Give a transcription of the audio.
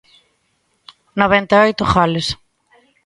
Noventa e oito goles.